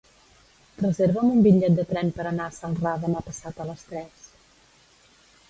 Reserva'm un bitllet de tren per anar a Celrà demà passat a les tres.